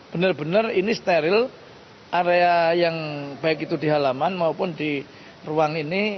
benar benar ini steril area yang baik itu di halaman maupun di ruang ini